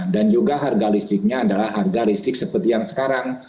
dan juga harga listriknya adalah harga listrik seperti yang sekarang